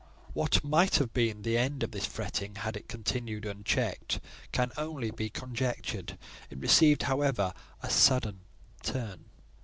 What might have been the end of this fretting, had it continued unchecked, can only be conjectured: it received, however, a sudden turn.